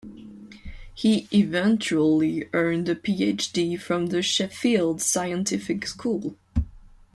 He eventually earned a Ph.D. from the Sheffield Scientific School.